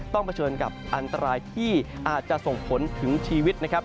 เผชิญกับอันตรายที่อาจจะส่งผลถึงชีวิตนะครับ